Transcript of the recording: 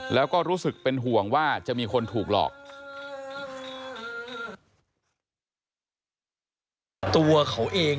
แล้วก็รู้สึกเป็นห่วงว่าจะมีคนถูกหลอก